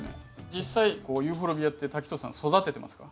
実際ユーフォルビアって滝藤さん育ててますか？